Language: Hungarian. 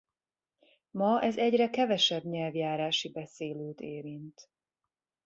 Ma ez egyre kevesebb nyelvjárási beszélőt érint.